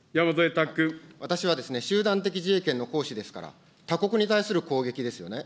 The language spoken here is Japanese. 私はですね、集団的自衛権の行使ですから、他国に対する攻撃ですよね。